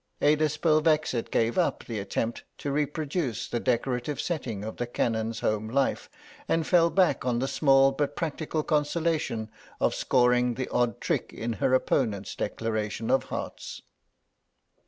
Ada Spelvexit gave up the attempt to reproduce the decorative setting of the Canon's homelife, and fell back on the small but practical consolation of scoring the odd trick in her opponent's declaration of hearts.